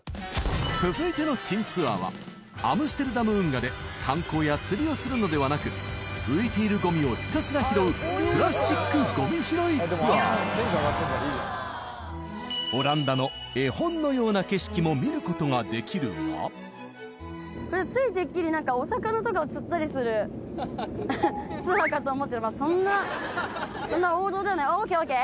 続いての珍ツアーはアムステルダム運河で観光や釣りをするのではなく浮いているゴミをひたすら拾うプラスチックゴミ拾いツアー絵本のようなついてっきり何かお魚とかを釣ったりするツアーかと思ったらそんなそんな王道ではないＯＫＯＫ。